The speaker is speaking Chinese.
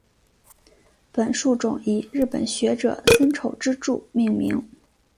本树种以日本学者森丑之助命名。